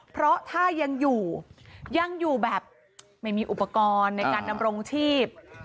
เพราะถ้ายังอยู่ยังอยู่แบบไม่มีอุปกรณ์ในการดำรงชีพ